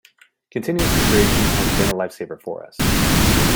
Continuous Integration has been a lifesaver for us.